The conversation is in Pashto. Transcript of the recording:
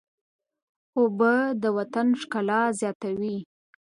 اوبه د وطن ښکلا زیاتوي.